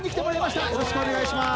よろしくお願いします。